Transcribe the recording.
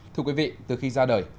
thưa quý vị từ khi ra đời